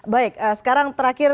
baik sekarang terakhir